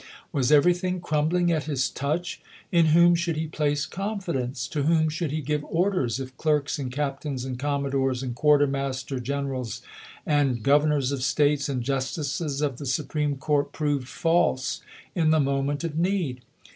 Was everything crumbling at his touch 1 In whom should he place confidence 1 To whom should he give orders, if clerks, and captains, and commodores, and quartermaster generals, and governors of States, and justices of the Supreme Court proved false in the moment of need?